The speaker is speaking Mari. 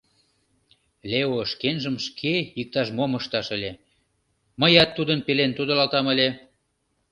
Лео шкенжым шке иктаж-мом ышта ыле, мыят тудын пелен тодылалтам ыле.